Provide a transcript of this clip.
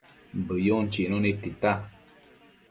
Bëyun chicnu nid tita